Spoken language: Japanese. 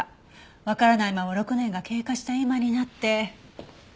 わからないまま６年が経過した今になって。